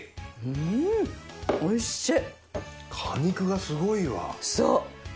うんおいしい！